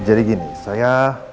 jadi gini saya